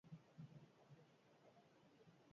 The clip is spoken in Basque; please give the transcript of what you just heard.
Harrigarria da atzelariek sartu duten gol kopurua.